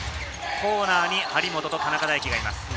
コーナーに張本と田中大貴がいます。